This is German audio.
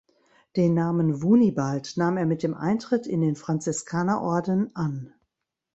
Den Namen Wunibald nahm er mit dem Eintritt in den Franziskanerorden an.